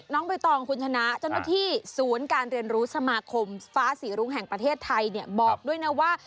ใบตองคุณชนะเจ้าหน้าที่ศูนย์การเรียนรู้สมาคมฟ้าศรีรุ้งแห่งประเทศไทยเนี่ยบอกด้วยนะว่า